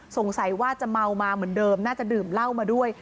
สงสัยว่าจะเมามาเหมือนเดิมน่าจะดื่มเหล้ามาด้วย